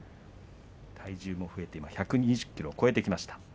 体重も増えて今１２０ｋｇを超えてきました。